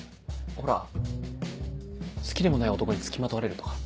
ほら好きでもない男に付きまとわれるとか。